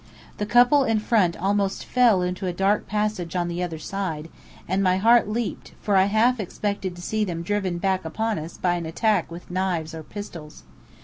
The couple in front almost fell into a dark passage on the other side, and my heart leaped, for I half expected to see them driven back upon us by an attack with knives or pistols.